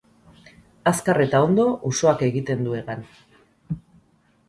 Azkar eta ondo usoak egiten du hegan.